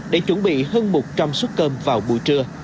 để chuẩn bị hơn một trăm linh suất cơm vào buổi trưa